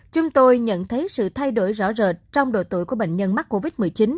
chúng tôi nhận thấy sự thay đổi rõ rệt trong độ tuổi của bệnh nhân mắc covid một mươi chín